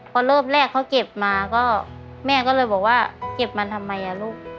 พอรอบแรกเขาเก็บมาก็แม่ก็เลยบอกว่าเก็บมันทำไมอ่ะลูก